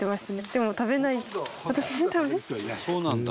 でも食べない私は。